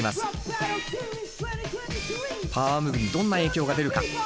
パワームーブにどんな影響が出るか。